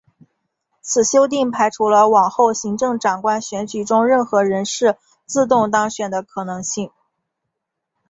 此修订排除了往后行政长官选举中任何人士自动当选的可能性。